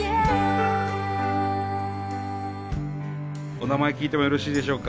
お名前聞いてもよろしいでしょうか？